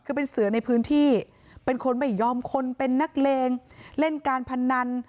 คือเป็นเสือในพื้นที่เป็นคนไม่ยอมคนเป็นนักเลงเล่นการพนัน